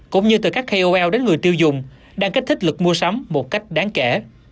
cũng như từ các kol đến người tiêu dùng đang kích thích lực mua sắm một cách đáng kể